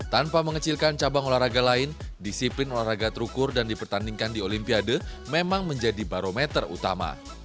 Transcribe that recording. tanpa mengecilkan cabang olahraga lain disiplin olahraga terukur dan dipertandingkan di olimpiade memang menjadi barometer utama